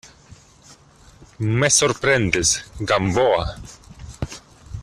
me sorprendes, Gamboa.